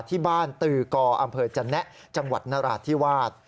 ที่บ้านตือกรอำเภอจันแนะจังหวัดนราธิวาส